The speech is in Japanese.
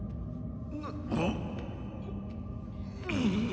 あっ。